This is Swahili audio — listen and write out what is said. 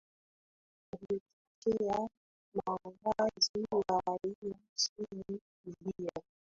waliochochea mauaji ya raia nchini libya